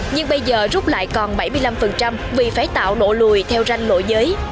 nhưng bây giờ rút lại còn bảy mươi năm vì phải tạo độ lùi theo ranh lộ giới